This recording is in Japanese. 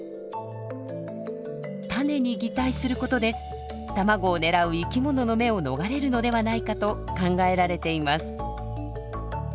種に擬態することで卵を狙う生き物の目を逃れるのではないかと考えられています。